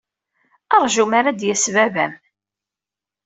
Ṛju mi ara d-yas baba-m.